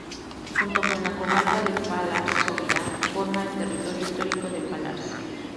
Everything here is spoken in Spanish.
Junto con la comarca de Pallars Sobirá forma el territorio histórico de Pallars.